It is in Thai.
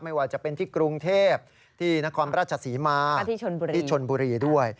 ไม่ว่าจะเป็นที่กรุงเทพที่นครราชศรีมาที่ชนบุรีด้วย